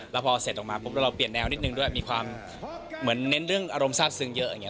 แล้วพอเสร็จออกมาปุ๊บแล้วเราเปลี่ยนแนวนิดนึงด้วยมีความเหมือนเน้นเรื่องอารมณ์ทราบซึ้งเยอะอย่างนี้